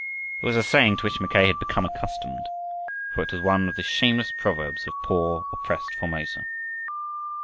It was a saying to which Mackay had become accustomed. For it was one of the shameless proverbs of poor, oppressed Formosa.